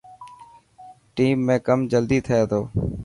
ٽيم ۾ ڪم جلدي ٿي ٿو.